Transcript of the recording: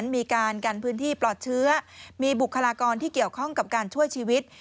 มีบุคลากรที่เกี่ยวข้องกับการช่วยชีวิต